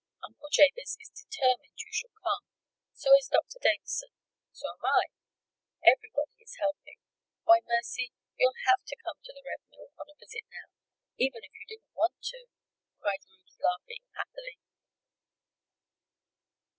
"Uncle Jabez is determined you shall come. So is Doctor Davison. So am I. Everybody is helping. Why, Mercy, you'd have to come to the Red Mill on a visit now, even if you didn't want to!" cried Ruth, laughing happily.